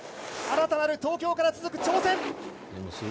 新たなる東京から続く挑戦。